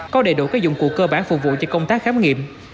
có đầy đủ các dụng cụ cơ bản phục vụ cho công tác khám nghiệm